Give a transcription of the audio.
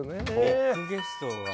ビッグゲストが。